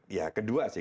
ya kedua sih